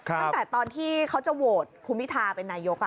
ตั้งแต่ตอนที่เขาจะโหวตคุณพิทาเป็นนายก